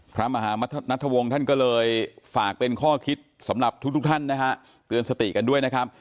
พระมหานัทวงศ์ท่านก็เลยฝากเป็นข้อคิดสำหรับทุกท่านนะฮะเตือนสติกันด้วยนะครับ